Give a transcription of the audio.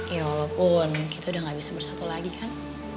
ya walaupun kita udah gak bisa bersatu lagi kan